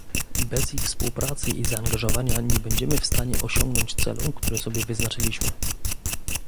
Bez ich współpracy i zaangażowania nie będziemy w stanie osiągnąć celu, który sobie wyznaczyliśmy